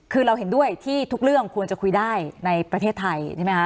คือเราเห็นด้วยที่ทุกเรื่องควรจะคุยได้ในประเทศไทยใช่ไหมคะ